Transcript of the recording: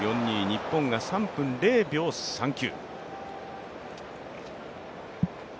日本が３分０秒３９。